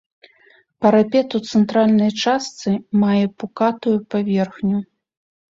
Парапет у цэнтральнай частцы мае пукатую паверхню.